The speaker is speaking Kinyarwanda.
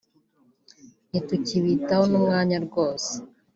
ntitukibitaho n’umwanya rwose